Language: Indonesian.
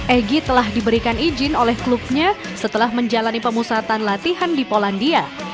egy telah diberikan izin oleh klubnya setelah menjalani pemusatan latihan di polandia